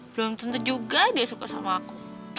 belum tentu juga dia suka sama aku